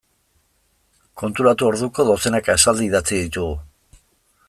Konturatu orduko dozenaka esaldi idatzi ditugu.